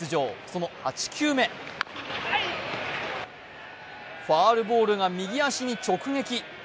その８球目、ファウルボールが右足に直撃。